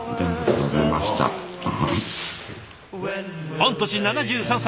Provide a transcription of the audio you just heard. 御年７３歳。